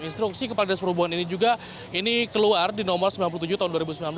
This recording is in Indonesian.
instruksi kepala dinas perhubungan ini juga ini keluar di nomor sembilan puluh tujuh tahun dua ribu sembilan belas